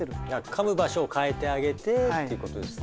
かむ場所を変えてあげてってことですね。